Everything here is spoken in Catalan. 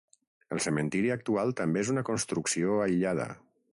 El Cementiri actual també és una construcció aïllada.